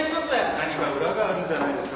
何か裏があるんじゃないですか？